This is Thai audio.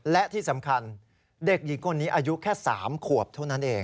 และที่สำคัญเด็กหญิงคนนี้อายุแค่๓ขวบเท่านั้นเอง